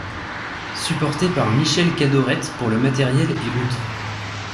Supporté par Michel Cadorette pour le matériel et autres.